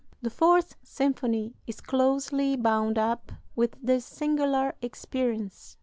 The Fourth Symphony is closely bound up with this singular experience.